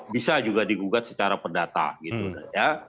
bisa juga digugat secara perdata gitu ya